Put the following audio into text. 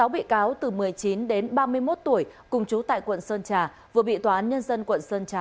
sáu bị cáo từ một mươi chín đến ba mươi một tuổi cùng chú tại quận sơn trà vừa bị tòa án nhân dân quận sơn trà